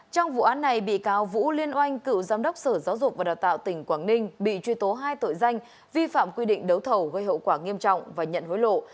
trong vụ án này bị cáo vũ liên oanh cựu giám đốc sở giáo dục và đào tạo tỉnh quảng ninh bị truy tố hai tội danh vi phạm quy định đấu thầu gây hậu quả nghiêm trọng và nhận hối lộ